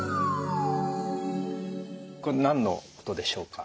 これ何の音でしょうか？